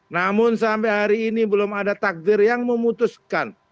namun sampai hari ini belum ada takdir yang memutuskan